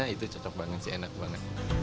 itu cocok banget sih enak banget